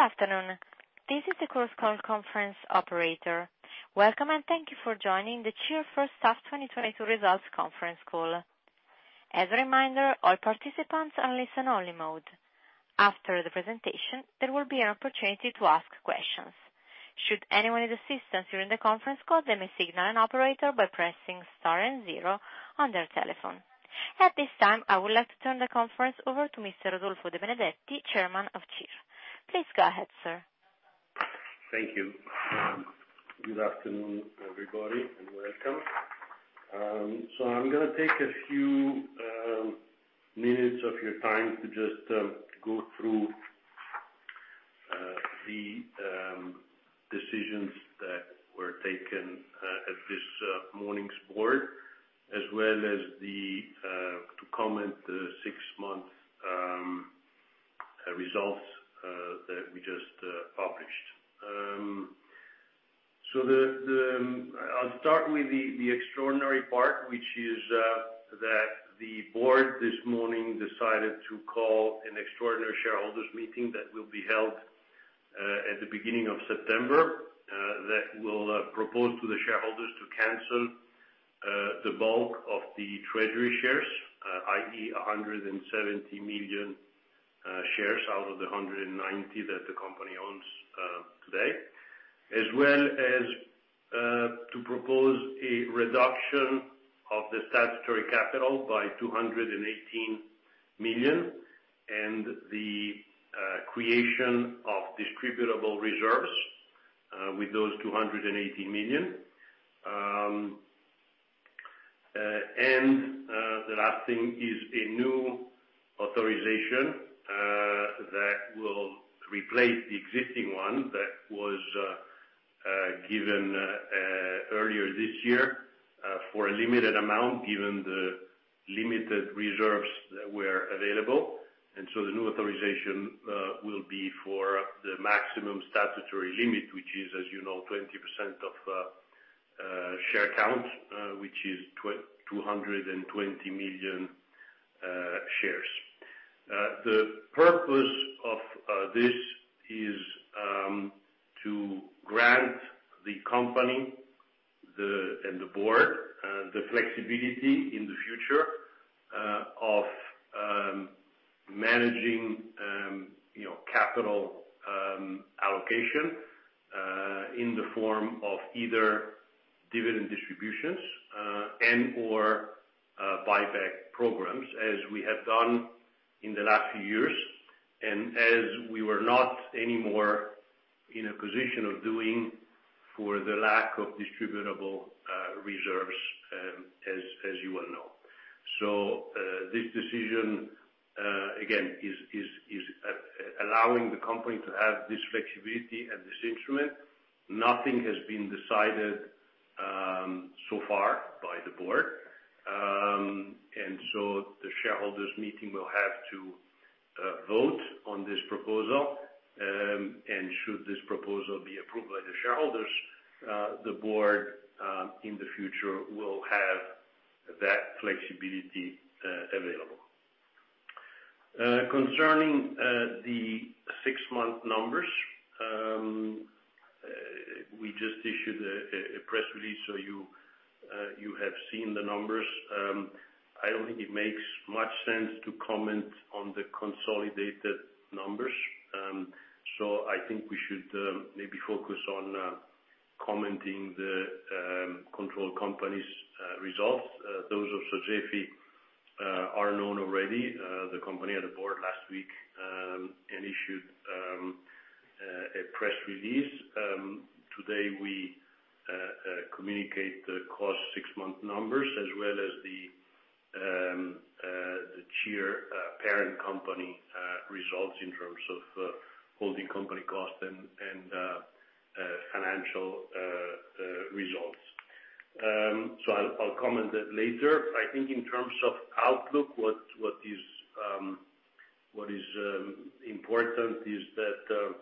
Good afternoon. This is the Chorus Call conference operator. Welcome, and thank you for joining the CIR H1 2022 results conference call. As a reminder, all participants are in listen only mode. After the presentation, there will be an opportunity to ask questions. Should anyone need assistance during the conference call, they may signal an operator by pressing star and zero on their telephone. At this time, I would like to turn the conference over to Mr. Rodolfo De Benedetti, Chairman of CIR. Please go ahead, sir. Thank you. Good afternoon, everybody, and welcome. I'm gonna take a few minutes of your time to just go through the decisions that were taken at this morning's board, as well as to comment the 6-month results that we just published. I'll start with the extraordinary part, which is that the board this morning decided to call an extraordinary shareholders' meeting that will be held at the beginning of September. That will propose to the shareholders to cancel the bulk of the treasury shares, i.e., 170 million shares out of the 190 that the company owns today. As well as to propose a reduction of the statutory capital by 218 million and the creation of distributable reserves with those EUR 280 million. The last thing is a new authorization that will replace the existing one that was given earlier this year for a limited amount, given the limited reserves that were available. The new authorization will be for the maximum statutory limit, which is, as you know, 20% of share count, which is 220 million shares. The purpose of this is to grant the company and the board the flexibility in the future of managing, you know, capital allocation in the form of either dividend distributions and/or buyback programs, as we have done in the last few years. As we were not anymore in a position of doing for the lack of distributable reserves, as you well know. This decision again is allowing the company to have this flexibility and this instrument. Nothing has been decided so far by the board. The shareholders' meeting will have to vote on this proposal. Should this proposal be approved by the shareholders, the board in the future will have that flexibility available. Concerning the 6-month numbers, we just issued a press release, so you have seen the numbers. I don't think it makes much sense to comment on the consolidated numbers. I think we should maybe focus on commenting the control company's results. Those of Sogefi are known already. The company had a board last week and issued a press release. Today we communicate the KOS 6-month numbers as well as the CIR parent company results in terms of holding company cost and financial results. I'll comment later. I think in terms of outlook, what is important is that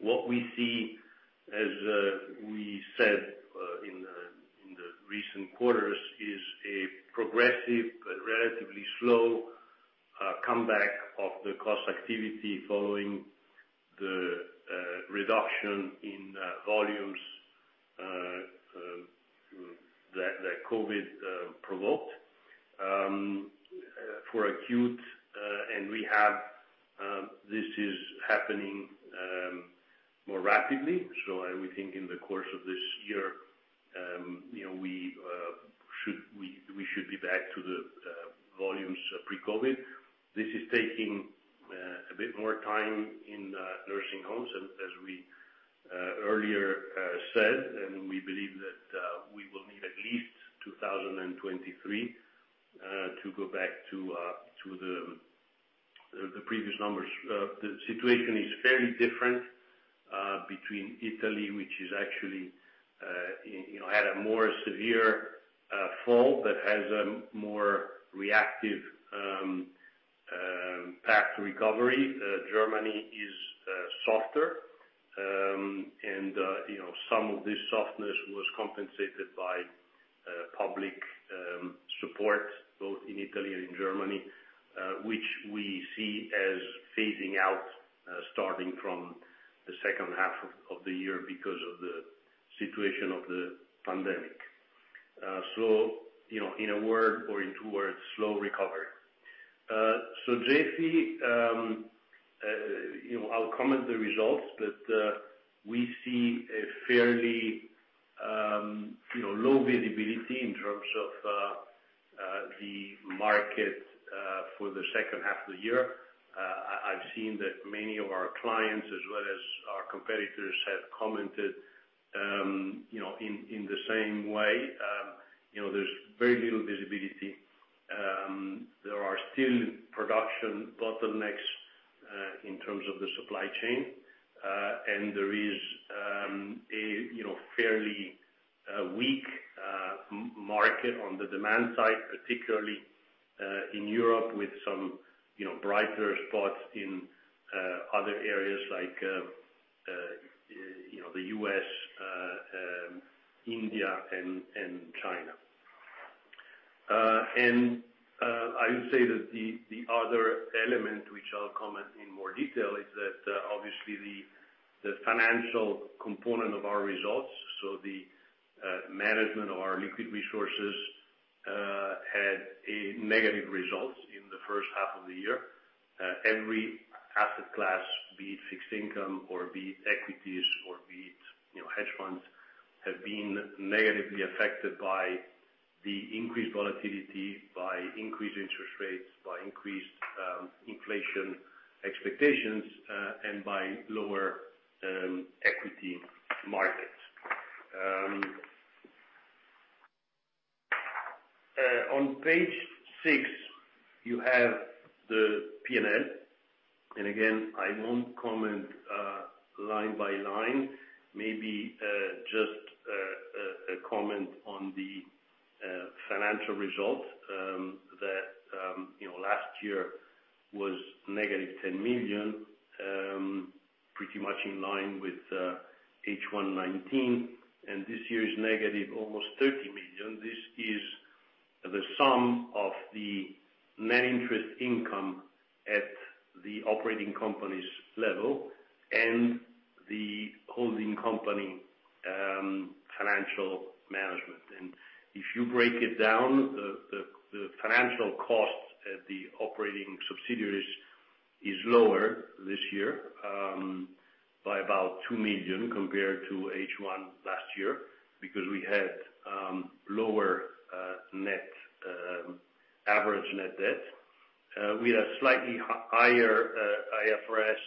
what we see, as we said in the recent quarters, is a progressive but relatively slow comeback of the case activity following the reduction in volumes that COVID provoked for acute. This is happening more rapidly. I would think in the course of this year, you know, we should be back to the volumes pre-COVID. This is taking a bit more time in nursing homes as we earlier said, and we believe that we will need at least 2023 to go back to the previous numbers. The situation is fairly different between Italy, which is actually, you know, had a more severe fall but has a more reactive path to recovery. Germany is softer. You know, some of this softness was compensated by public support, both in Italy and in Germany, which we see as phasing out starting from the H2 of the year because of the situation of the pandemic. You know, in a word or in 2 words, slow recover. JC, you know, I'll comment the results, but we see a fairly low visibility in terms of the market for the H2 of the year. I've seen that many of our clients, as well as our competitors, have commented, you know, in the same way. You know, there's very little visibility. There are still production bottlenecks in terms of the supply chain. There is a you know, fairly weak market on the demand side, particularly in Europe, with some you know, brighter spots in other areas like the U.S., India and China. I would say that the other element which I'll comment in more detail is that obviously the financial component of our results, so the management of our liquid resources had a negative result in the H1 of the year. Every asset class, be it fixed income or be it equities or be it, you know, hedge funds, have been negatively affected by the increased volatility, by increased interest rates, by increased inflation expectations, and by lower equity markets. On page 6, you have the P&L. Again, I won't comment line by line. Maybe just a comment on the financial result that you know last year was negative 10 million, pretty much in line with H1 2019, and this year is negative almost 30 million. This is the sum of the net interest income at the operating company's level and the holding company financial management. If you break it down, the financial cost at the operating subsidiaries is lower this year by about 2 million compared to H1 last year, because we had lower average net debt. We have slightly higher IFRS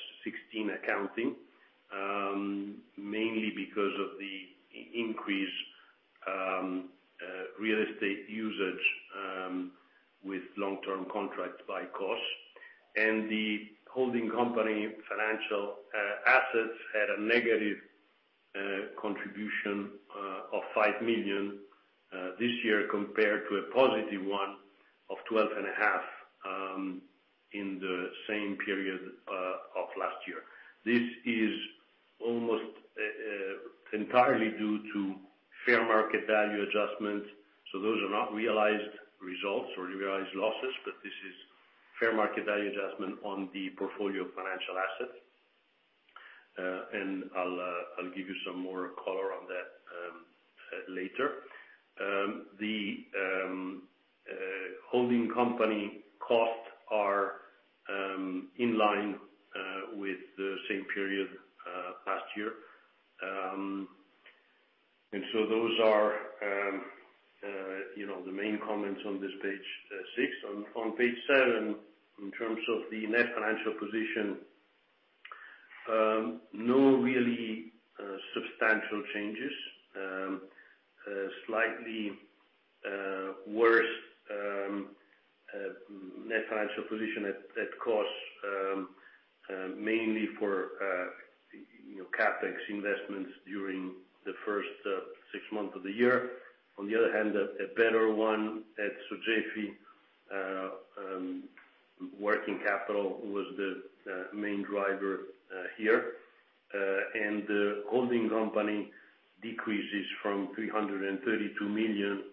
16 accounting, mainly because of the increased real estate usage with long-term contracts by KOS. The holding company financial assets had a negative contribution of 5 million this year compared to a positive one of 12.5 million in the same period of last year. This is almost entirely due to fair market value adjustments. Those are not realized results or realized losses, but this is fair market value adjustment on the portfolio of financial assets. I'll give you some more color on that later. The holding company costs are in line with the same period last year. Those are, you know, the main comments on this page 6. On page 7, in terms of the net financial position, no really substantial changes. A slightly worse net financial position at CIR mainly for, you know, CapEx investments during the first 6 months of the year. On the other hand, a better one at Sogefi, working capital was the main driver here. The holding company decreases from 332 million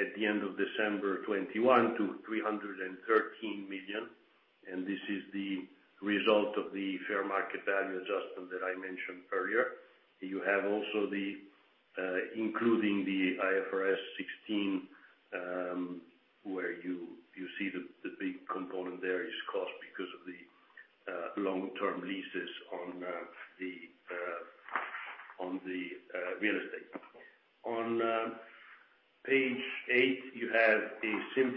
at the end of December 2021 to 313 million, and this is the result of the fair market value adjustment that I mentioned earlier. You have also the including the IFRS 16 where you see the big component there is cost because of the long-term leases on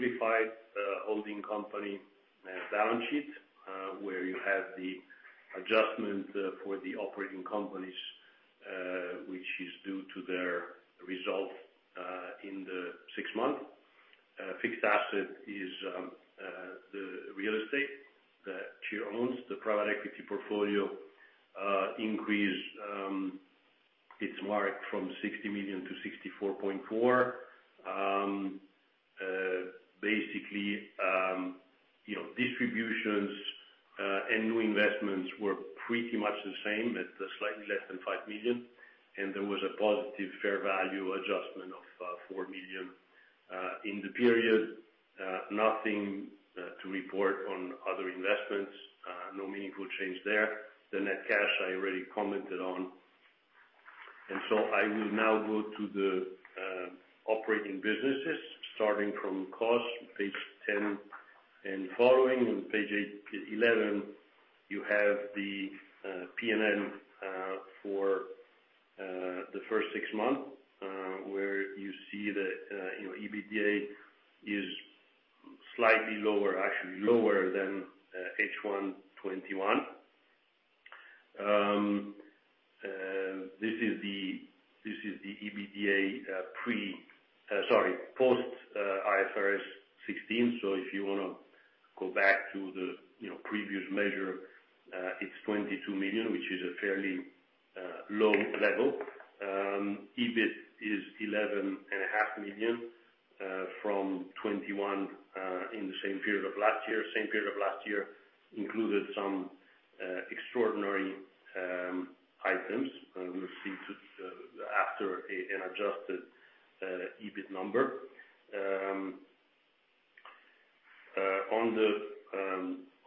the real estate. On page 8, you have a simplified holding company balance sheet where you have the adjustment for the operating companies which is due to their results in the 6 months. Fixed asset is the real estate that she owns. The private equity portfolio increased its mark from 60 million to 64.4 million. Basically, you know, distributions and new investments were pretty much the same at slightly less than 5 million, and there was a positive fair value adjustment of 4 million in the period. Nothing to report on other investments, no meaningful change there. The net cash I already commented on. I will now go to the operating businesses, starting from costs, page 10 and following. On page 11, you have the P&L for the first 6 months, where you see that, you know, EBITDA is slightly lower, actually lower than H1 2021. This is the EBITDA post IFRS 16. So if you wanna go back to the previous measure, it's EUR 22 million, which is a fairly low level. EBIT is 11.5 million from 21 in the same period of last year. Same period of last year included some extraordinary items. We'll get to an adjusted EBIT number.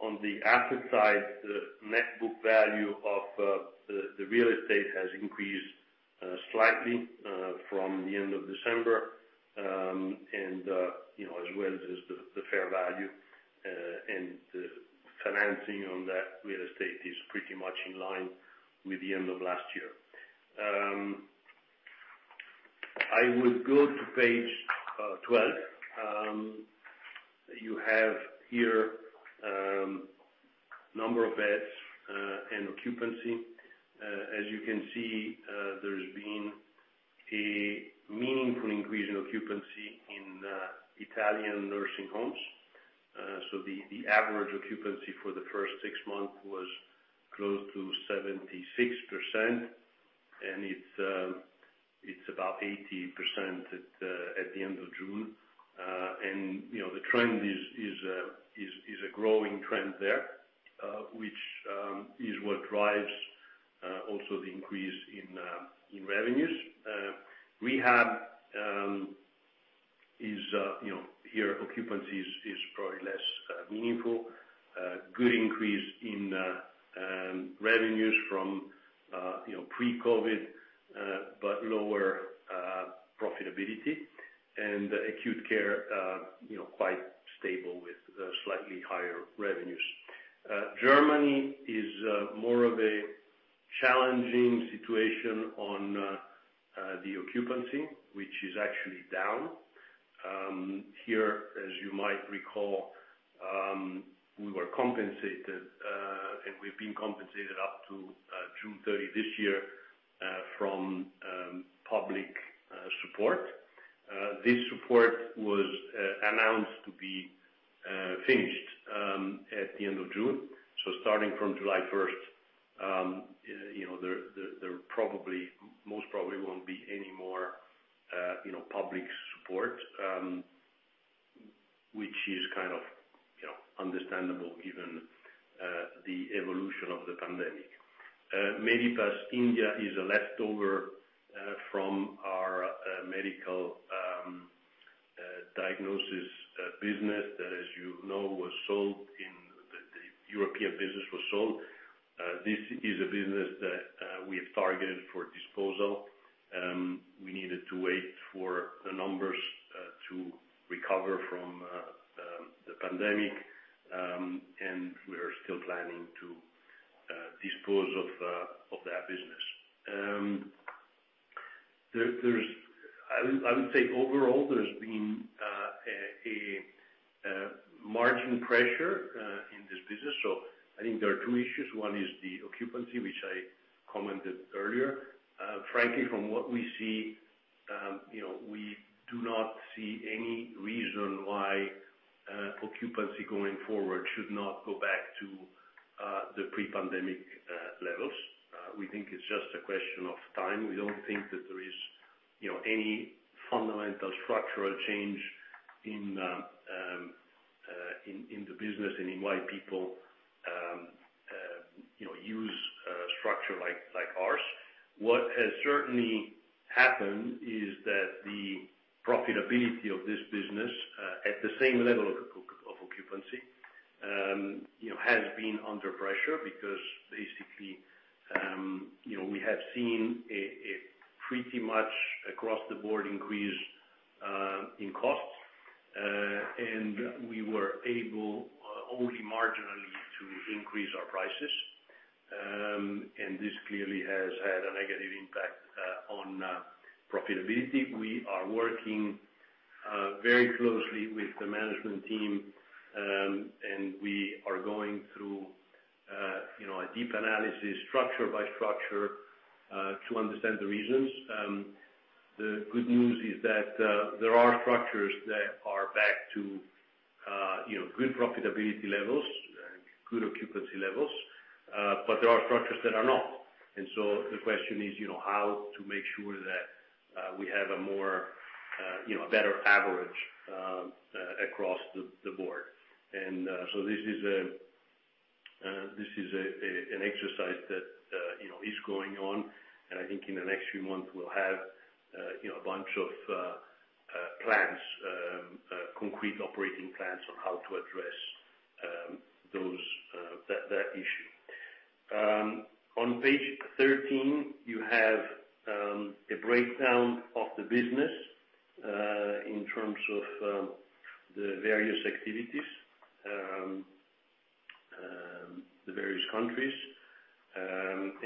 On the asset side, the net book value of the real estate has increased slightly from the end of December, and you know, as well as the fair value. The financing on that real estate is pretty much in line with the end of last year. I will go to page 12. You have here number of beds and occupancy. As you can see, there's been a meaningful increase in occupancy in Italian nursing homes. The average occupancy for the first 6 months was close to 76%, and it's about 80% at the end of June. You know, the trend is a growing trend there, which is what drives also the increase in revenues. Rehab is you know, here occupancy is probably less meaningful. Good increase in revenues from you know, pre-COVID, but lower profitability. Acute care you know, quite stable with slightly higher revenues. Germany is more of a challenging situation on the occupancy, which is actually down. Here, as you might recall, we were compensated, and we've been compensated up to June 30 this year, from public support. This support was announced to be finished at the end of June. Starting from July first, you know, there probably most probably won't be any more you know public support, which is kind of you know understandable given the evolution of the pandemic. Medipass India is a leftover from our medical diagnosis business that, as you know, was sold. The European business was sold. This is a business that we have targeted for disposal. We needed to wait for the numbers to recover from the pandemic, and we are still planning to dispose of that business. I would say overall, there's been a margin pressure in this business. I think there are 2 issues. One is the occupancy, which I commented earlier. Frankly, from what we see, you know, we do not see any reason why occupancy going forward should not go back to the pre-pandemic levels. We think it's just a question of time. We don't think that there is, you know, any fundamental structural change in the business and in why people you know use a structure like ours. What has certainly happened is that the profitability of this business at the same level of occupancy you know has been under pressure because basically you know we have seen a pretty much across the board increase in costs. We were able only marginally to increase our prices. This clearly has had a negative impact on profitability. We are working very closely with the management team, and we are going through, you know, a deep analysis structure by structure to understand the reasons. The good news is that there are structures that are back to, you know, good profitability levels, good occupancy levels, but there are structures that are not. The question is, you know, how to make sure that we have a more, you know, a better average across the board. This is an exercise that, you know, is going on. I think in the next few months we'll have, you know, a bunch of plans, concrete operating plans on how to address that issue. On page 13, you have a breakdown of the business in terms of the various activities, the various countries.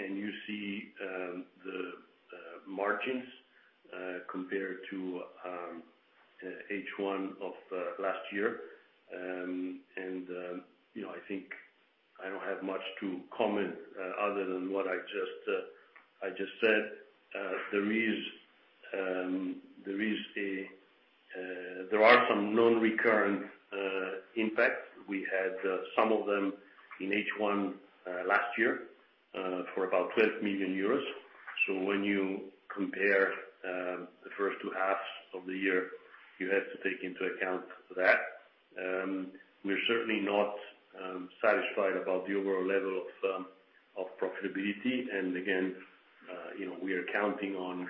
You see the margins compared to H1 of last year. You know, I think I don't have much to comment other than what I just said. There are some non-recurring impacts. We had some of them in H1 last year for about 12 million euros. When you compare the first two halves of the year, you have to take into account that. We're certainly not satisfied about the overall level of profitability. Again, you know, we are counting on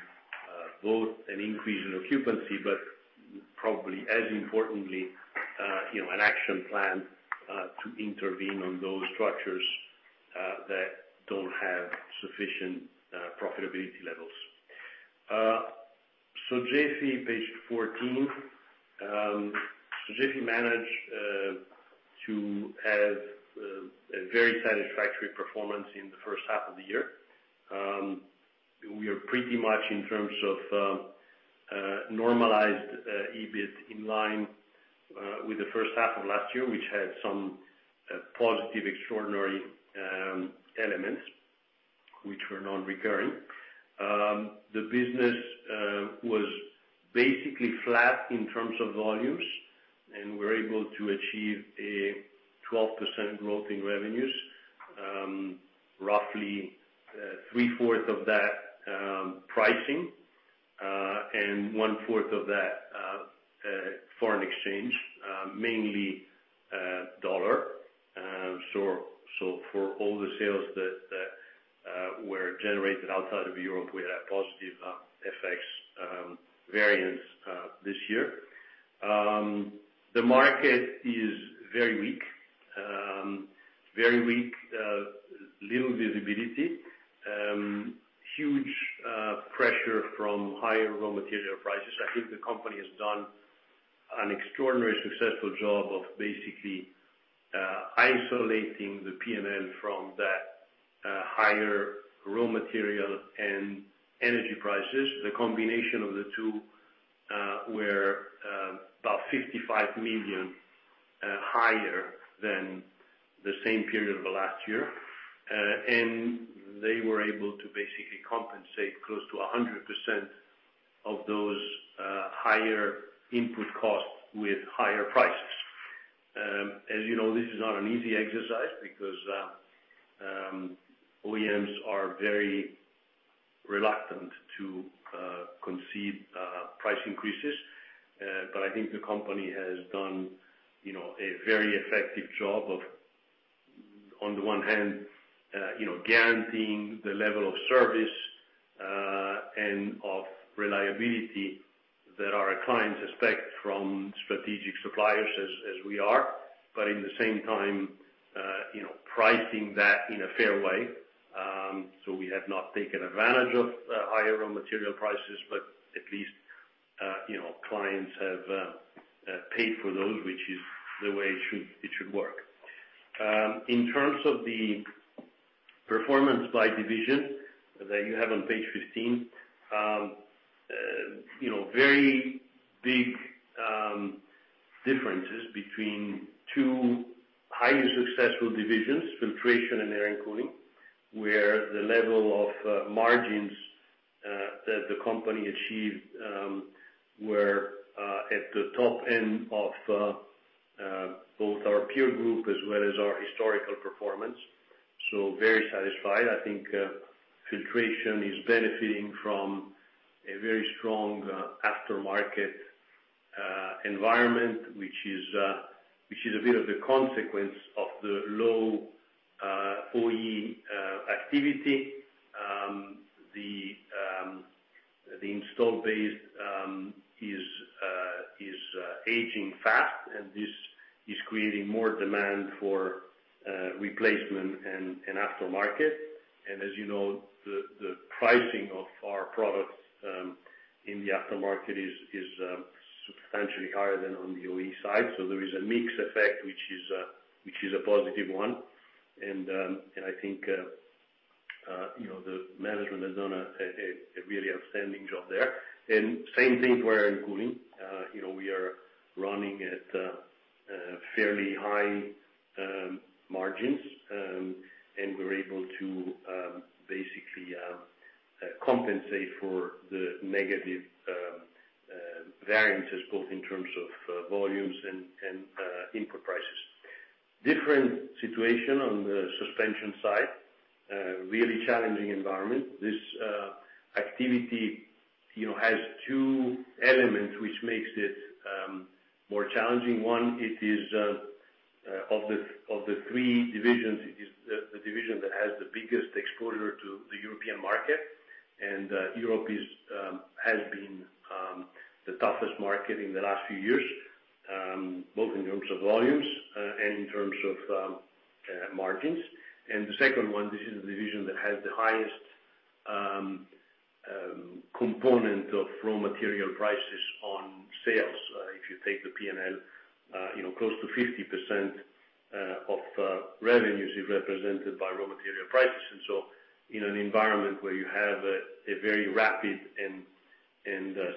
both an increase in occupancy, but probably as importantly, you know, an action plan to intervene on those structures that don't have sufficient profitability levels. KOS, page 14. KOS managed to have a very satisfactory performance in the H1 of the year. We are pretty much in terms of normalized EBIT in line with the H1 of last year, which had some positive extraordinary elements which were non-recurring. The business was basically flat in terms of volumes, and we're able to achieve a 12% growth in revenues. Roughly, 3/4 of that pricing, and on 1/4 of that foreign exchange, mainly dollar. For all the sales that were generated outside of Europe, we had a positive FX variance this year. The market is very weak. Very weak. Little visibility. Huge pressure from higher raw material prices. I think the company has done an extraordinarily successful job of basically isolating the P&L from that higher raw material and energy prices. The combination of the 2 were about 55 million higher than the same period of the last year. They were able to basically compensate close to 100% of those higher input costs with higher prices. As you know, this is not an easy exercise because OEMs are very reluctant to concede price increases. But I think the company has done, you know, a very effective job of, on the one hand, you know, guaranteeing the level of service and of reliability that our clients expect from strategic suppliers as we are. But at the same time, you know, pricing that in a fair way. We have not taken advantage of higher raw material prices, but at least, you know, clients have paid for those, which is the way it should work. In terms of the performance by division that you have on page 15, you know, very big differences between 2 highly successful divisions, Filtration and Air and Cooling, where the level of margins that the company achieved were at the top end of both our peer group as well as our historical performance. Very satisfied. I think Filtration is benefiting from a very strong aftermarket environment, which is a bit of the consequence of the low OE activity. The installed base is aging fast, and this is creating more demand for replacement and aftermarket. As you know, the pricing of our products in the aftermarket is substantially higher than on the OE side. There is a mix effect, which is a positive one. I think you know, the management has done a really outstanding job there. Same thing for Air and Cooling. You know, we are running at fairly high margins, and we're able to basically compensate for the negative variances, both in terms of volumes and input prices. Different situation on the Suspension side. Really challenging environment. This activity you know, has 2 elements which makes it more challenging. One, it is of the 3 divisions, it is the division that has the biggest exposure to the European market. Europe has been the toughest market in the last few years, both in terms of volumes and in terms of margins. The second one, this is the division that has the highest component of raw material prices on sales. If you take the P&L, you know, close to 50% of revenues is represented by raw material prices. In an environment where you have a very rapid and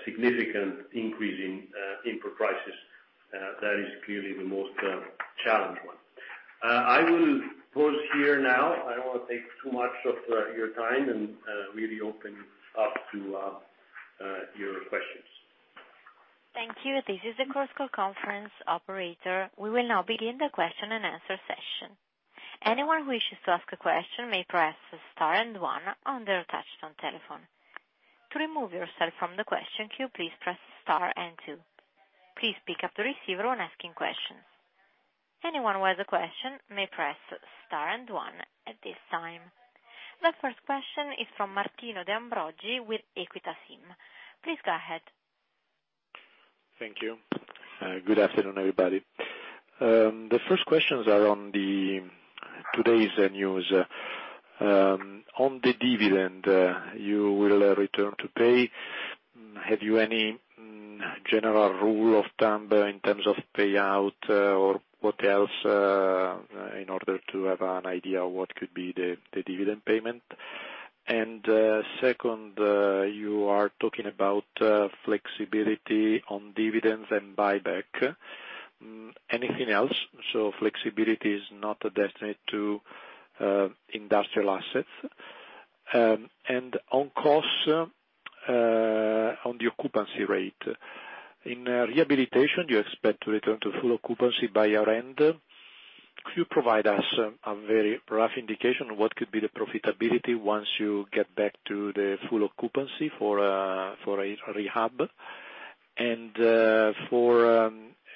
significant increase in input prices, that is clearly the most challenged one. I will pause here now. I don't wanna take too much of your time and really open up to your questions. Thank you. This is the Chorus Call conference operator. We will now begin the Q&A session. Anyone who wishes to ask a question may press star and one on their touch tone telephone. To remove yourself from the question queue, please press star and 2. Please pick up the receiver when asking questions. Anyone who has a question may press star and one at this time. The first question is from Martino De Ambrogi with Equita SIM. Please go ahead. Thank you. Good afternoon, everybody. The first questions are on today's news. On the dividend you will return to pay. Have you any general rule of thumb in terms of payout or what else in order to have an idea what could be the dividend payment? Second, you are talking about flexibility on dividends and buyback. Anything else? Flexibility is not destined to industrial assets. On costs, on the occupancy rate. In rehabilitation, you expect to return to full occupancy by year-end. Could you provide us a very rough indication of what could be the profitability once you get back to the full occupancy for a rehab? For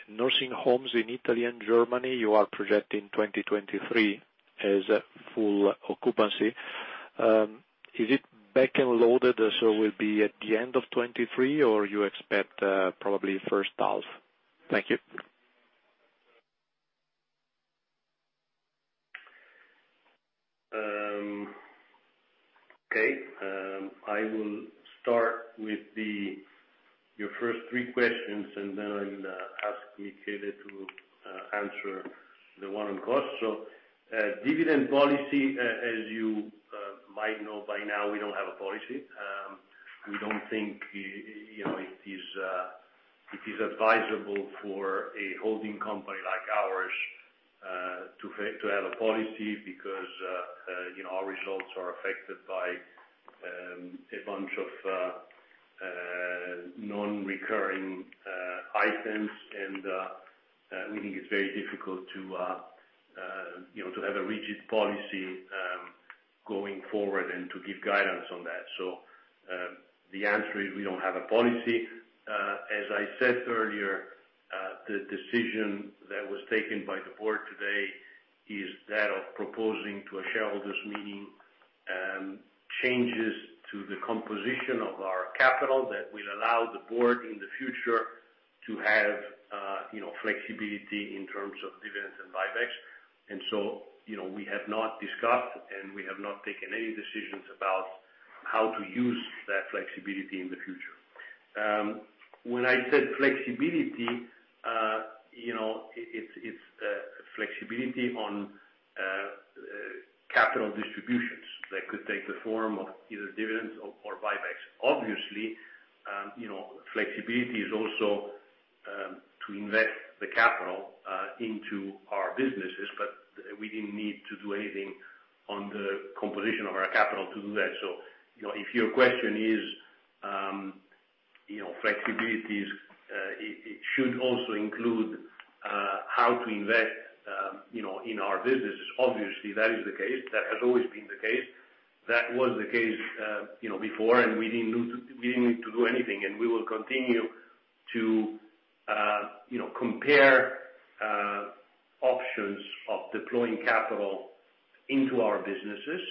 nursing homes in Italy and Germany, you are projecting 2023 as full occupancy. Is it back-end loaded, so will be at the end of 2023, or you expect probably H1? Thank you. Okay. I will start with your first 3 questions, and then I'll ask Michele to answer the one on KOS. Dividend policy, as you might know by now, we don't have a policy. We don't think, you know, it is advisable for a holding company like ours to have a policy because, you know, our results are affected by a bunch of non-recurring items. We think it's very difficult, you know, to have a rigid policy going forward and to give guidance on that. The answer is we don't have a policy. As I said earlier, the decision that was taken by the board today is that of proposing to a shareholders' meeting, changes to the composition of our capital that will allow the board in the future to have, you know, flexibility in terms of dividends and buybacks. You know, we have not discussed, and we have not taken any decisions about how to use that flexibility in the future. When I said flexibility, you know, it's flexibility on capital distributions that could take the form of either dividends or buybacks. Obviously, you know, flexibility is also to invest the capital into our businesses, but we didn't need to do anything on the composition of our capital to do that. You know, if your question is, you know, flexibility is, it should also include how to invest, you know, in our businesses, obviously that is the case. That has always been the case. That was the case, you know, before, and we didn't need to do anything. We will continue to, you know, compare options of deploying capital into our businesses,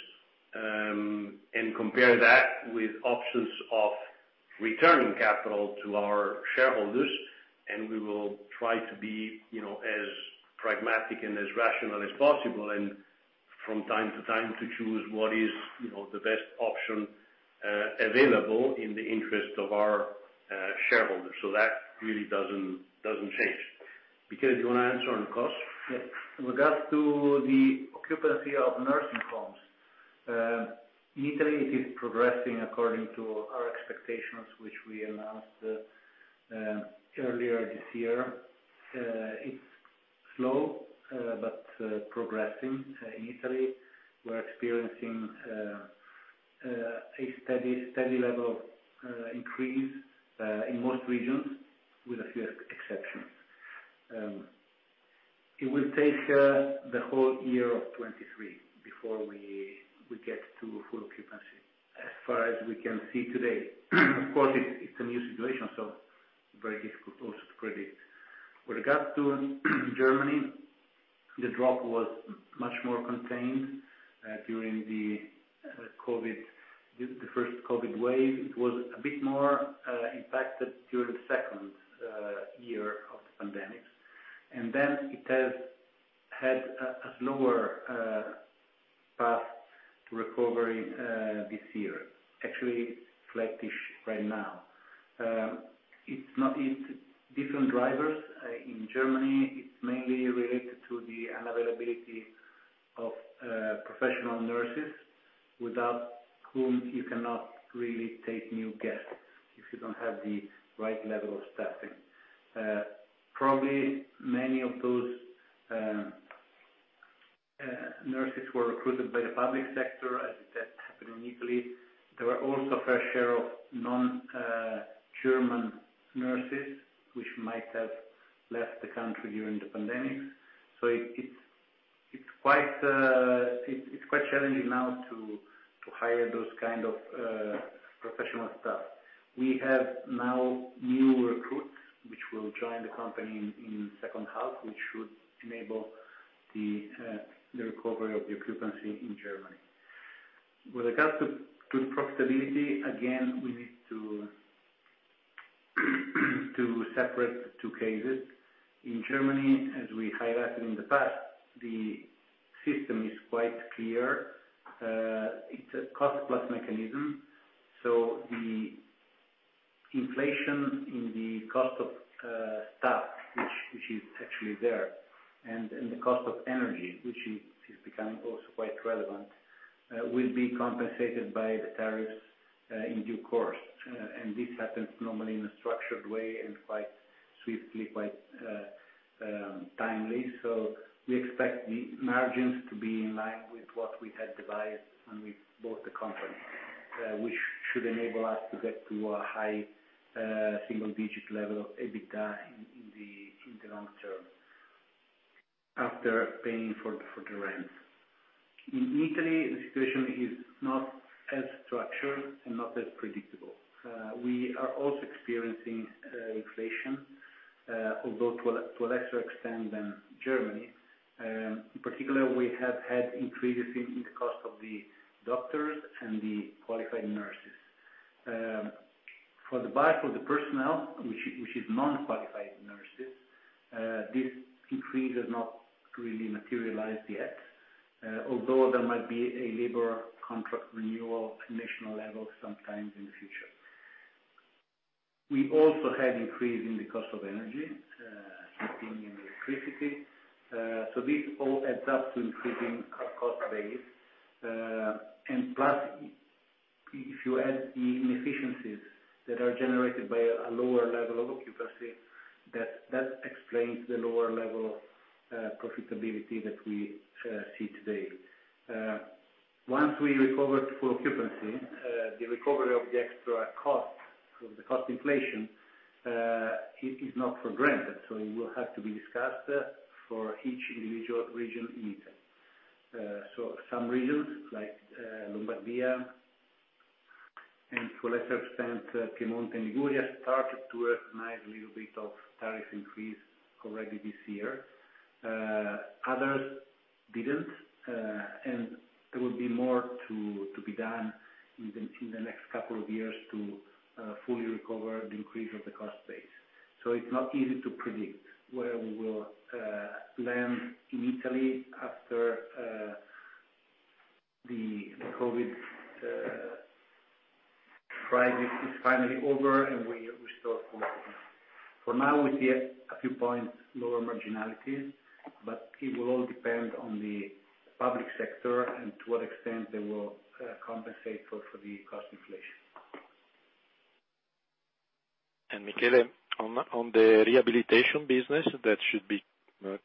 and compare that with options of returning capital to our shareholders. We will try to be, you know, as pragmatic and as rational as possible, and from time to time to choose what is, you know, the best option available in the interest of our shareholders. That really doesn't change. Michele, do you wanna answer on KOS? Yes. With regards to the occupancy of nursing homes, Italy is progressing according to our expectations, which we announced earlier this year. It's slow, but progressing. In Italy, we're experiencing a steady level of increase in most regions with a few exceptions. It will take the whole year of 2023 before we get to full occupancy as far as we can see today. Of course, it's a new situation, so very difficult also to predict. With regards to Germany, the drop was much more contained during the first COVID wave. It was a bit more impacted during the second year of the pandemic. It has had a slower path to recovery this year. Actually, it's flattish right now. It's not easy. Different drivers in Germany. It's mainly related to the unavailability of professional nurses, without whom you cannot really take new guests if you don't have the right level of staffing. Probably many of those nurses were recruited by the public sector, as that happened in Italy. There were also fair share of non-German nurses, which might have left the country during the pandemic. It's quite challenging now to hire those kind of professional staff. We have now new recruits, which will join the company in H2, which should enable the recovery of the occupancy in Germany. With regards to profitability, again, we need to separate the 2 cases. In Germany, as we highlighted in the past, the system is quite clear. It's a cost-plus mechanism, so the inflation in the cost of staff, which is actually there, and in the cost of energy, which is becoming also quite relevant, will be compensated by the tariffs in due course. This happens normally in a structured way and quite swiftly, quite timely. We expect the margins to be in line with what we had devised when we bought the company, which should enable us to get to a high single digit level of EBITDA in the long term after paying for the rents. In Italy, the situation is not as structured and not as predictable. We are also experiencing inflation, although to a lesser extent than Germany. In particular, we have had increases in the cost of the doctors and the qualified nurses. For the bulk of the personnel, which is non-qualified nurses, this increase has not really materialized yet, although there might be a labor contract renewal at national level sometime in the future. We also had increase in the cost of energy, heating and electricity. This all adds up to increasing our cost base. Plus, if you add the inefficiencies that are generated by a lower level of occupancy, that explains the lower level of profitability that we see today. Once we recover to full occupancy, the recovery of the extra costs of the cost inflation is not guaranteed, so it will have to be discussed for each individual region in Italy. Some regions like Lombardia and to a lesser extent Piemonte and Liguria started to recognize a little bit of tariff increase already this year. Others didn't, and there will be more to be done in the next couple of years to fully recover the increase of the KOS base. It's not easy to predict where we will land in Italy after the COVID crisis is finally over and we restore fully. For now, we see a few points lower marginality, but it will all depend on the public sector and to what extent they will compensate for the KOS inflation. Michele, on the rehabilitation business that should be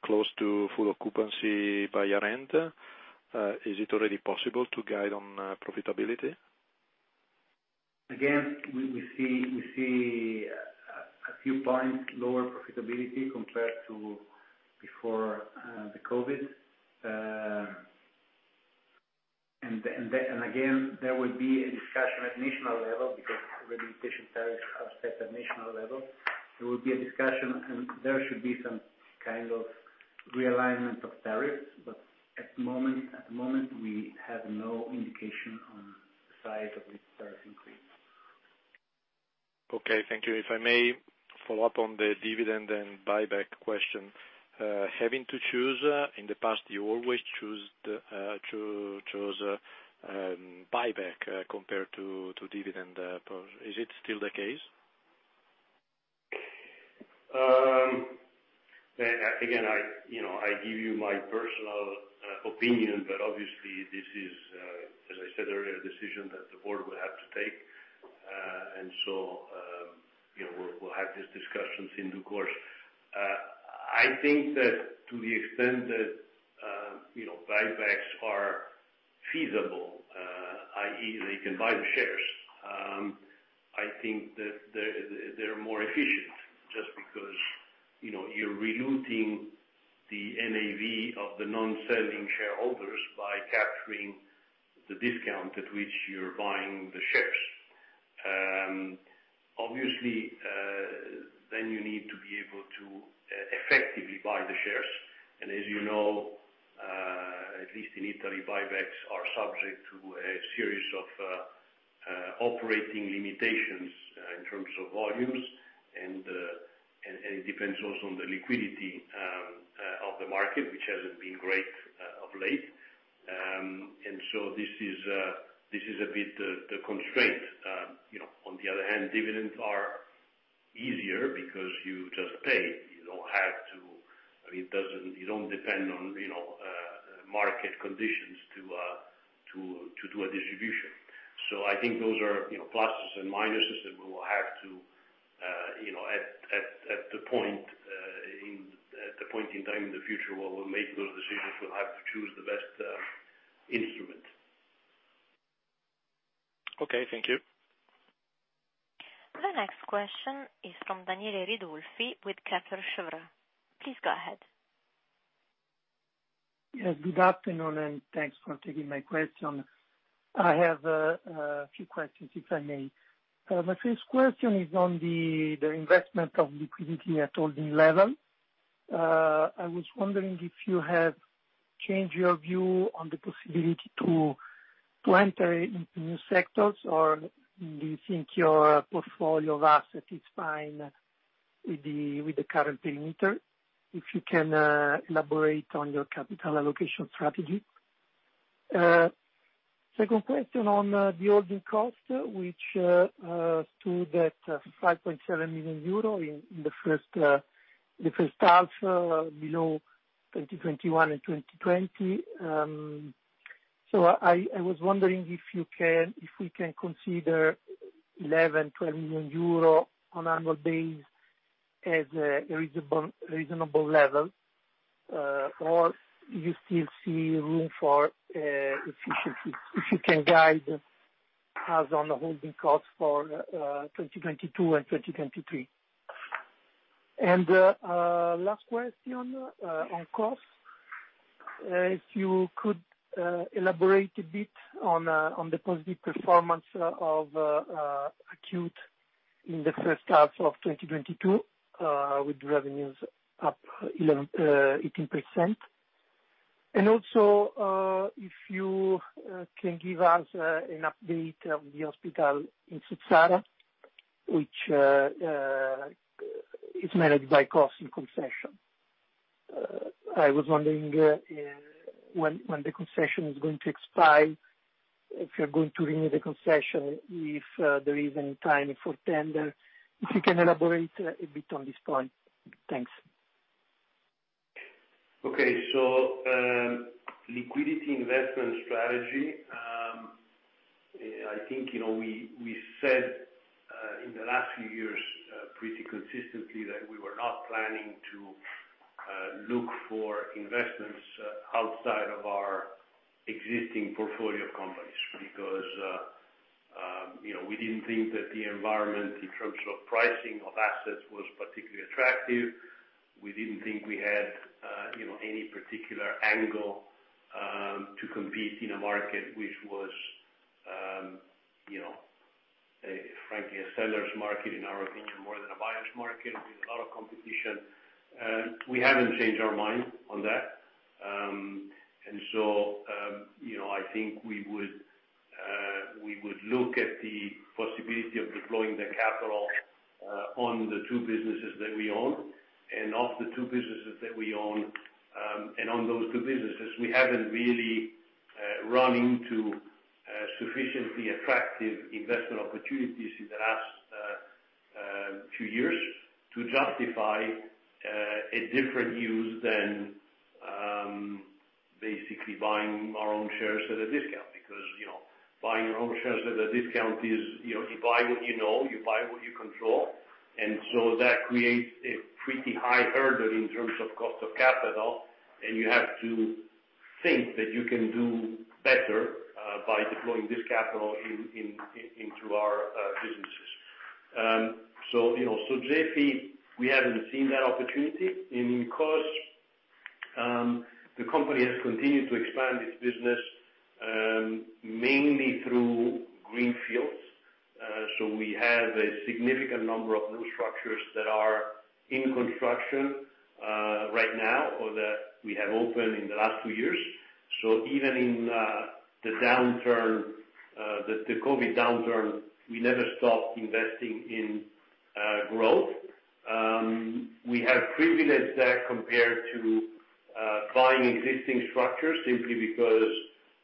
close to full occupancy by year-end, is it already possible to guide on profitability? Again, we see a few points lower profitability compared to before the COVID. There will be a discussion at national level because rehabilitation tariffs are set at national level, and there should be some kind of realignment of tariffs. At the moment, we have no indication on the size of this tariff increase. Okay. Thank you. If I may follow up on the dividend and buyback question. Having to choose, in the past you always chose the buyback compared to dividend approach. Is it still the case? Again, you know, I give you my personal opinion, but obviously this is, as I said earlier, a decision that the board will have to take. you know, we'll have these discussions in due course. I think that to the extent that, you know, buybacks are feasible, i.e., that you can buy the shares, I think that they're more efficient just because, you know, you're diluting the NAV of the non-selling shareholders by capturing the discount at which you're buying the shares. Obviously, then you need to be able to effectively buy the shares. as you know, at least in Italy, buybacks are subject to a series of operating limitations in terms of volumes, and it depends also on the liquidity of the market, which hasn't been great of late. This is a bit the constraint. You know, on the other hand, dividends are easier because you just pay. You don't depend on, you know, market conditions to do a distribution. I think those are, you know, pluses and minuses that we will have to, you know, at the point in time in the future where we'll make those decisions, we'll have to choose the best instrument. Okay, thank you. The next question is from Daniele Ridolfi with Kepler Cheuvreux. Please go ahead. Yes, good afternoon, and thanks for taking my question. I have a few questions, if I may. My first question is on the investment of liquidity at holding level. I was wondering if you have changed your view on the possibility to enter into new sectors, or do you think your portfolio of assets is fine with the current perimeter. If you can elaborate on your capital allocation strategy. Second question on the holding KOS, which stood at 5.7 million euro in the H1 below 2021 and 2020. I was wondering if you can, if we can consider 11-12 million euro on annual basis as a reasonable level, or do you still see room for efficiency. If you can guide us on the holding KOS for 2022 and 2023. Last question on KOS. If you could elaborate a bit on the positive performance of acute in the H1 of 2022, with revenues up 18%. Also, if you can give us an update on the hospital in Suzzara, which is managed by KOS on concession. I was wondering when the concession is going to expire, if you're going to renew the concession, if there is any timing for tender. If you can elaborate a bit on this point. Thanks. Okay. Liquidity investment strategy. I think, you know, we said in the last few years pretty consistently that we were not planning to look for investments outside of our existing portfolio companies because, you know, we didn't think that the environment in terms of pricing of assets was particularly attractive. We didn't think we had, you know, any particular angle to compete in a market which was, you know, frankly a seller's market in our opinion, more than a buyer's market with a lot of competition. We haven't changed our mind on that. You know, I think we would look at the possibility of deploying the capital on the 2 businesses that we own. On those 2 businesses, we haven't really run into sufficiently attractive investment opportunities in the last few years to justify a different use than basically buying our own shares at a discount. Because, you know, buying your own shares at a discount is, you know, you buy what you know, you buy what you control, and so that creates a pretty high hurdle in terms of cost of capital, and you have to think that you can do better by deploying this capital into our businesses. You know, for Sogefi, we haven't seen that opportunity. In KOS, the company has continued to expand its business mainly through greenfield. We have a significant number of new structures that are in construction right now or that we have opened in the last 2 years. Even in the downturn, the COVID downturn, we never stopped investing in growth. We have privileged that compared to buying existing structures simply because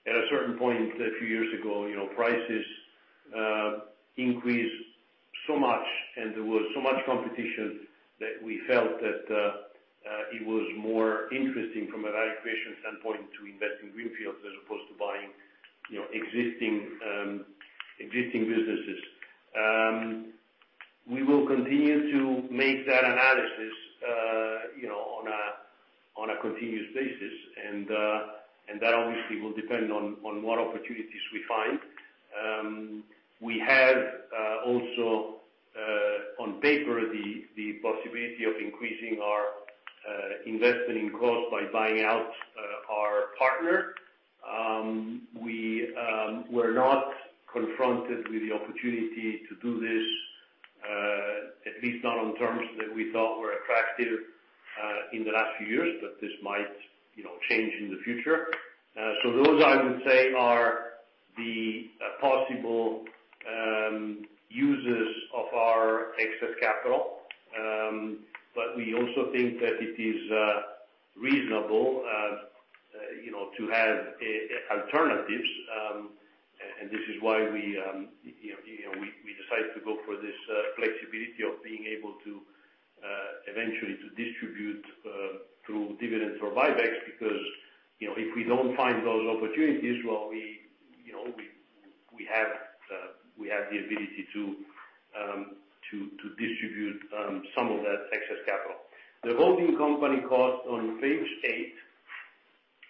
at a certain point a few years ago, you know, prices increased so much and there was so much competition that we felt that it was more interesting from a valuation standpoint to invest in greenfield as opposed to buying, you know, existing businesses. We will continue to make that analysis, you know, on a continuous basis. That obviously will depend on what opportunities we find. We have also on paper the possibility of increasing our investment in KOS by buying out our partner. We were not confronted with the opportunity to do this at least not on terms that we thought were attractive in the last few years. This might, you know, change in the future. Those, I would say, are the possible users of our excess capital. We also think that it is reasonable, you know, to have alternatives. This is why we, you know, we decide to go for this flexibility of being able to eventually to distribute through dividends or buybacks because, you know, if we don't find those opportunities, well, we, you know, we have the ability to distribute some of that excess capital. The holding company KOS on page 8,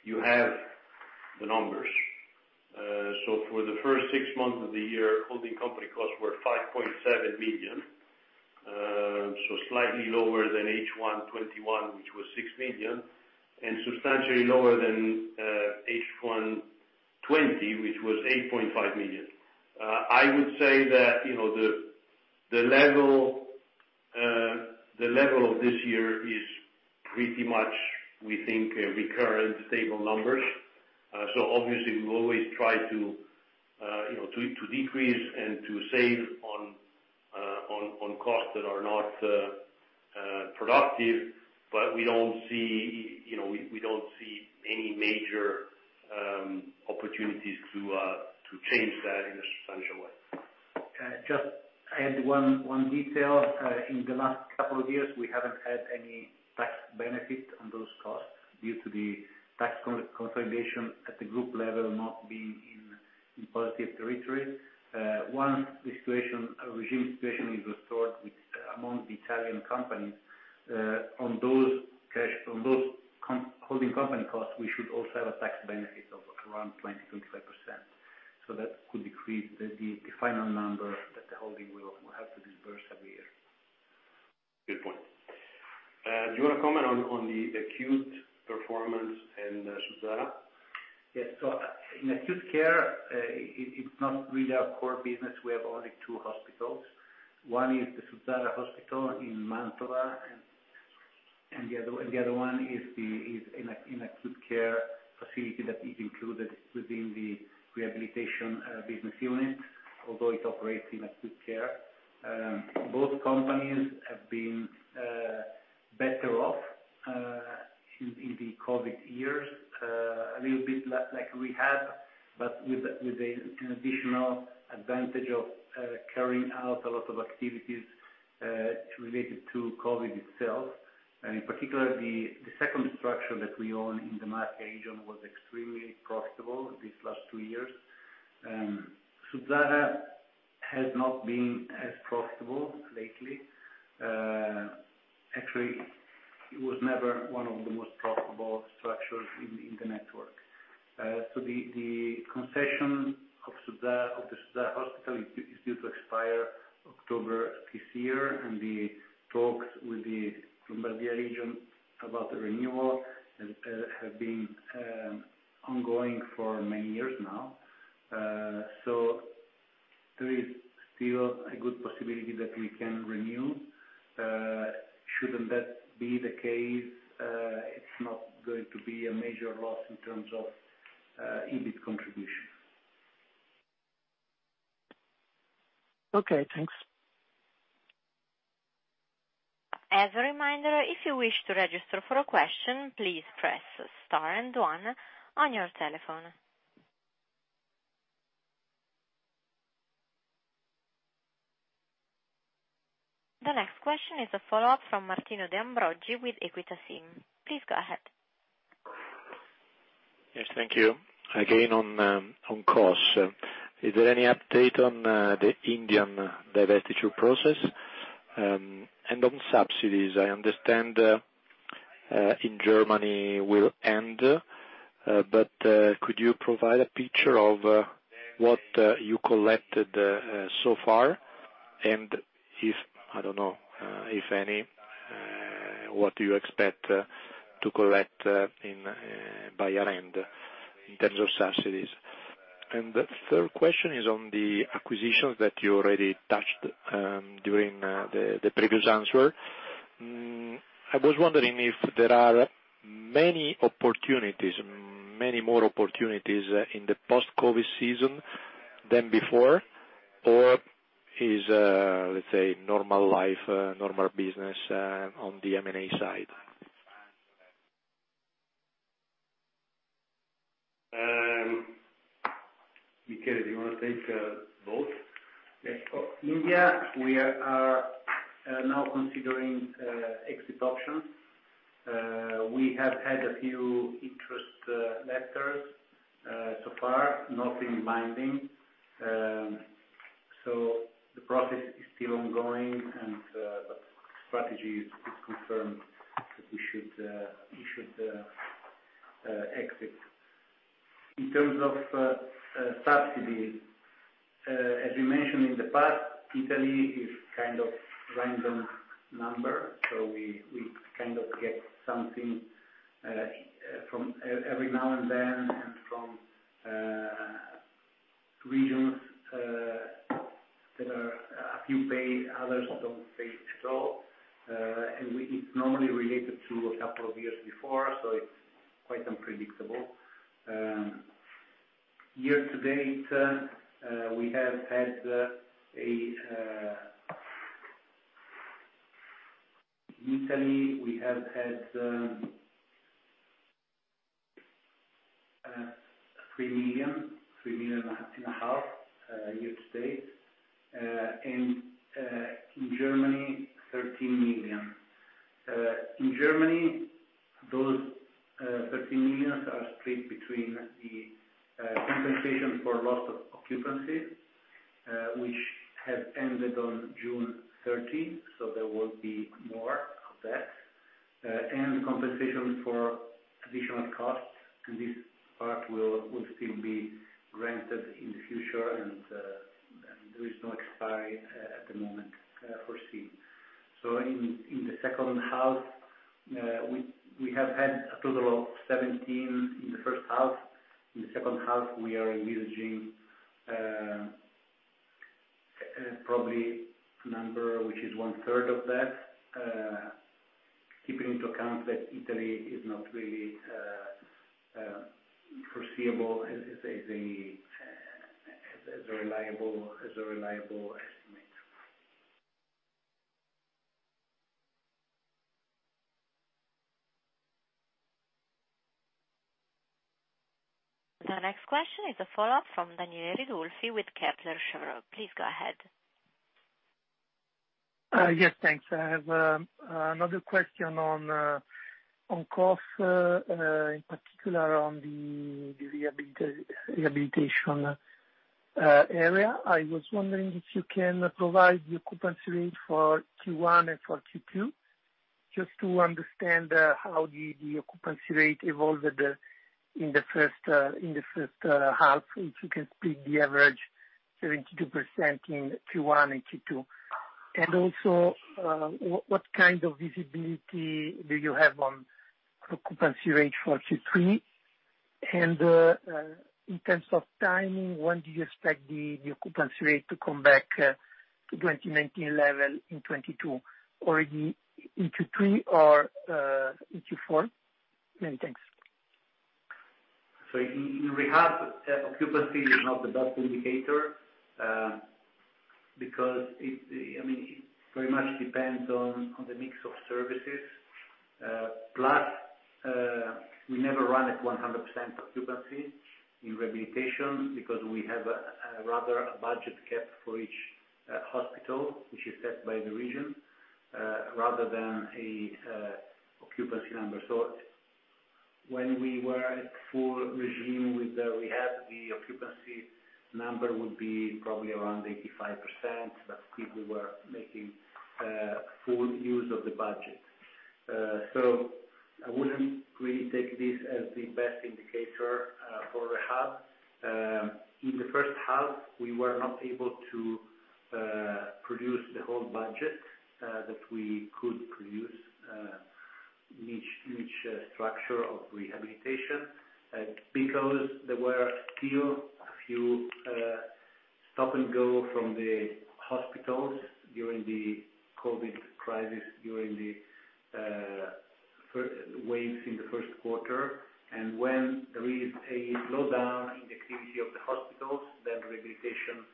you have the numbers. For the first 6 months of the year, holding company costs were 5.7 million. Slightly lower than H1 2021, which was 6 million, and substantially lower than H1 2020, which was 8.5 million. I would say that, you know, the level of this year is pretty much, we think, recurrent stable numbers. Obviously, we will always try to, you know, to decrease and to save on costs that are not productive. We don't see, you know, any major opportunities to change that in a substantial way. Just add one detail. In the last couple of years, we haven't had any tax benefit on those costs due to the tax consolidation at the group level not being in positive territory. Once the situation, regime situation is restored with among the Italian companies, on those holding company costs, we should also have a tax benefit of around 20%-25%. That could decrease the final number that the holding will have to disburse every year. Good point. Do you wanna comment on the acute performance in Suzzara? Yes. In acute care, it's not really our core business. We have only 2 hospitals. One is the Suzzara Hospital in Mantua, and the other one is an acute care facility that is included within the rehabilitation business unit, although it operates in acute care. Both companies have been better off in the COVID years, a little bit like rehab, but with an additional advantage of carrying out a lot of activities related to COVID itself. In particular, the second structure that we own in the Marche region was extremely profitable these last 2 years. Suzzara has not been as profitable lately. Actually, it was never one of the most profitable structures in the network. The concession of Suzzara, of the Suzzara Hospital is due to expire October this year, and the talks with the Lombardy region about the renewal have been ongoing for many years now. There is still a good possibility that we can renew. Shouldn't that be the case, it's not going to be a major loss in terms of EBIT contribution. Okay, thanks. As a reminder, if you wish to register for a question, please press star and one on your telephone. The next question is a follow-up from Martino De Ambrogi with Equita SIM. Please go ahead. Yes, thank you. Again, on costs, is there any update on the Indian divestiture process? On subsidies, I understand in Germany will end, but could you provide a picture of what you collected so far? If, I don't know, if any, what do you expect to collect by year-end in terms of subsidies? The third question is on the acquisitions that you already touched during the previous answer. I was wondering if there are many opportunities, many more opportunities in the post-COVID season than before, or is, let's say, normal life, normal business on the M&A side? Michele, do you wanna take both? Yes. India, we are now considering exit options. We have had a few interest letters so far, nothing binding. The process is still ongoing and the strategy is confirmed that we should exit. In terms of subsidy, as we mentioned in the past, Italy is kind of a random number, so we kind of get something from every now and then, and from regions that some pay, others don't pay at all. It's normally related to a couple of years before, so it's quite unpredictable. Year to date, in Italy we have had EUR 3 million and a half. In Germany, 13 million. In Germany, those 13 million are split between the compensation for loss of occupancy, which has ended on June 13, so there will be more of that, and compensation for additional costs, and this part will still be granted in the future, and there is no expiry foreseen at the moment. We have had a total of 17 million in the H1. In the H2, we are envisaging probably a number which is one third of that, taking into account that Italy is not really foreseeable as a reliable estimate. The next question is a follow-up from Daniele Ridolfi with Kepler Cheuvreux. Please go ahead. Yes, thanks. I have another question on KOS, in particular on the rehabilitation area. I was wondering if you can provide the occupancy rate for Q1 and for Q2, just to understand how the occupancy rate evolved in the H1, if you can split the average 72% in Q1 and Q2. Also, what kind of visibility do you have on occupancy rate for Q3? In terms of timing, when do you expect the occupancy rate to come back to 2019 level in 2022? Already into Q3 or into Q4? Many thanks. In rehab, occupancy is not the best indicator because, I mean, it very much depends on the mix of services. Plus, we never run at 100% occupancy in rehabilitation because we have rather a budget cap for each hospital, which is set by the region, rather than an occupancy number. When we were at full regime with the rehab, the occupancy number would be probably around 85%, but people were making full use of the budget. I wouldn't really take this as the best indicator for rehab. In the H1, we were not able to produce the whole budget that we could produce in each structure of rehabilitation because there were still a few stop and go from the hospitals during the COVID crisis, during the first waves in the Q1. When there is a slowdown in the activity of the hospitals, then rehabilitation,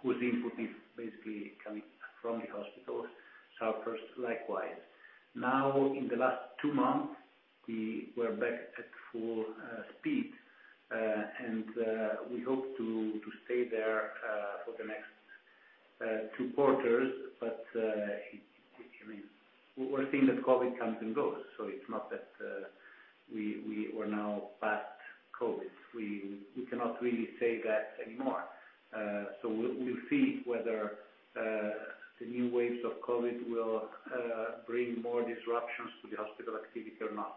whose input is basically coming from the hospitals, suffers likewise. Now, in the last 2 months, we were back at full speed and we hope to stay there for the next 2 quarters. I mean, we're seeing that COVID comes and goes, so it's not that we were now past COVID. We cannot really say that anymore. We'll see whether the new waves of COVID will bring more disruptions to the hospital activity or not.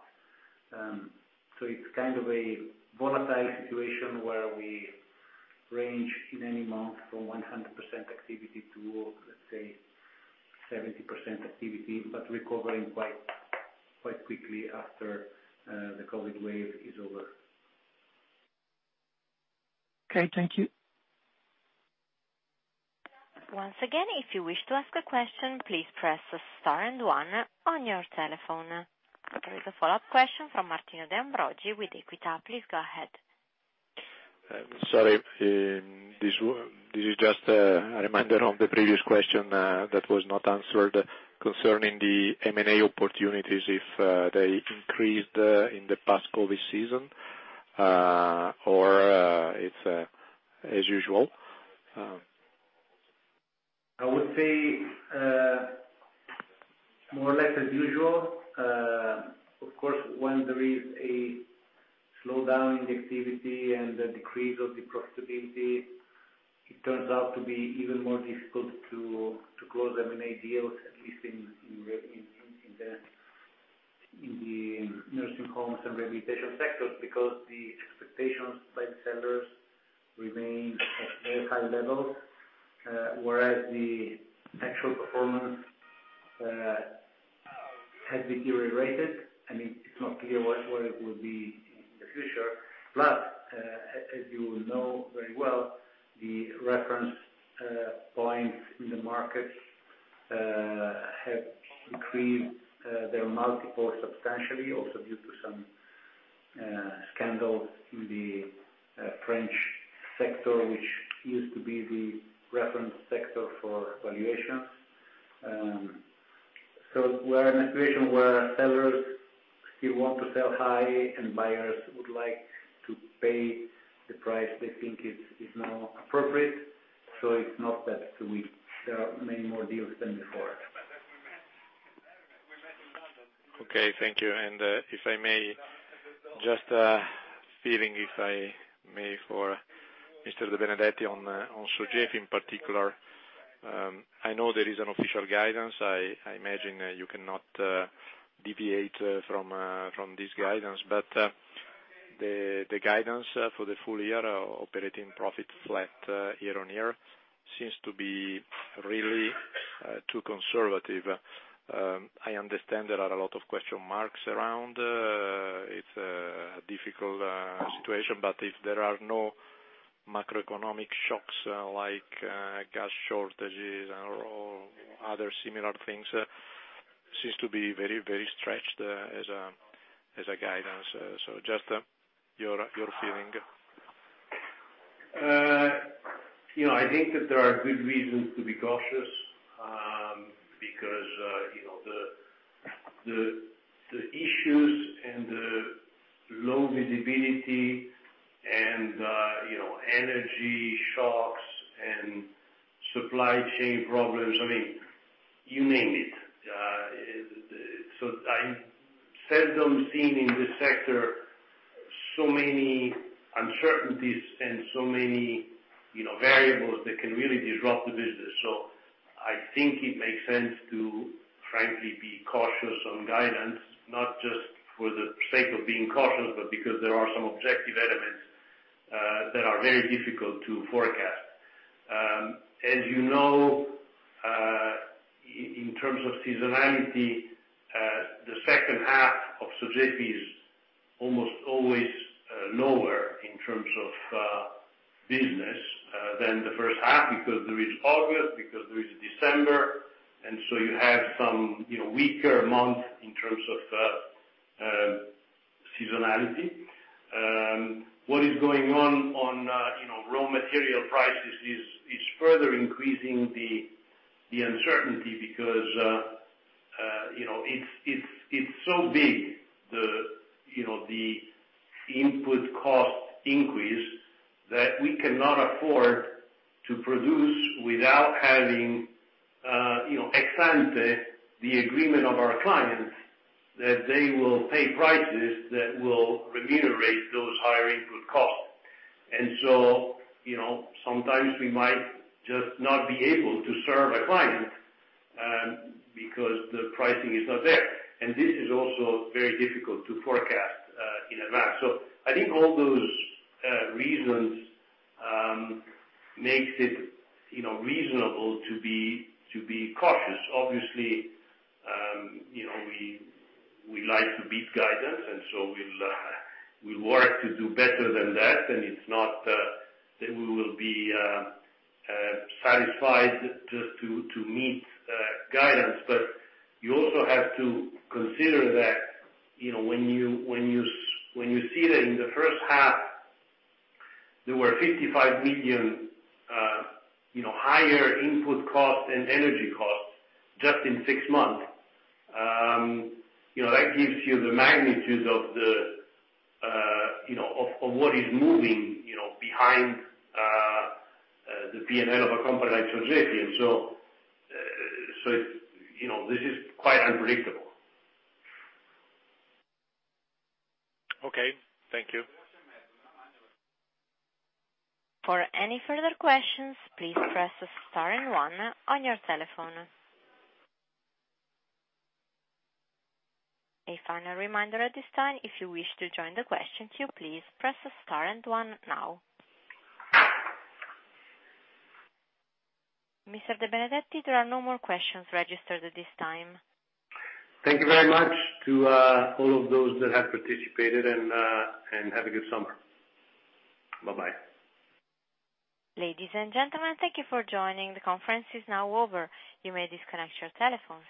It's kind of a volatile situation where we range in any month from 100% activity to, let's say 70% activity, but recovering quite quickly after the COVID wave is over. Okay. Thank you. Once again, if you wish to ask a question, please press star and one on your telephone. There is a follow-up question from Martino De Ambrogi with Equita. Please go ahead. Sorry, this is just a reminder on the previous question that was not answered concerning the M&A opportunities, if they increased in the past COVID season or it's as usual. I would say more or less as usual. Of course, when there is a slowdown in the activity and the decrease of the profitability, it turns out to be even more difficult to close M&A deals, at least in the nursing homes and rehabilitation sectors. Because the expectations by the sellers remain at very high levels, whereas the actual performance has deteriorated, and it's not clear what it will be in the future. Plus, as you know very well, the reference points in the markets have decreased their multiple substantially also due to some scandals in the French sector, which used to be the reference sector for valuations. We're in a situation where sellers still want to sell high, and buyers would like to pay the price they think is now appropriate, so it's not that we set up many more deals than before. Okay, thank you. If I may, just feeling, if I may, for Mr. De Benedetti on Sogefi in particular. I know there is an official guidance. I imagine that you cannot deviate from this guidance. The guidance for the full year operating profit flat year-on-year seems to be really too conservative. I understand there are a lot of question marks around. It's a difficult situation. If there are no macroeconomic shocks like gas shortages or other similar things, it seems to be very stretched as a guidance. So just your feeling. You know, I think that there are good reasons to be cautious, because, you know, the issues and the low visibility and, you know, energy shocks and supply chain problems, I mean, you name it. I've seldom seen in this sector so many uncertainties and so many, you know, variables that can really disrupt the business. I think it makes sense to frankly be cautious on guidance, not just for the sake of being cautious, but because there are some objective elements that are very difficult to forecast. As you know, in terms of seasonality, the H2 of Sogefi is almost always lower in terms of business than the H1 because there is August, because there is December. You have some, you know, weaker month in terms of seasonality. What is going on with raw material prices is further increasing the uncertainty because it's so big the input costs increase that we cannot afford to produce without having ex ante the agreement of our clients that they will pay prices that will remunerate those higher input costs. You know, sometimes we might just not be able to serve a client because the pricing is not there. This is also very difficult to forecast in advance. I think all those reasons makes it reasonable to be cautious. Obviously, you know, we like to beat guidance, and so we'll work to do better than that, and it's not that we will be satisfied just to meet guidance. You also have to consider that, you know, when you see that in the H1 there were 55 million higher input costs and energy costs just in 6 months, you know, that gives you the magnitude of what is moving, you know, behind the P&L of a company like Sogefi. You know, this is quite unpredictable. Okay. Thank you. For any further questions, please press star and one on your telephone. A final reminder at this time, if you wish to join the question queue, please press star and one now. Mr. De Benedetti, there are no more questions registered at this time. Thank you very much to all of those that have participated and have a good summer. Bye-bye. Ladies and gentlemen, thank you for joining. The conference is now over. You may disconnect your telephones.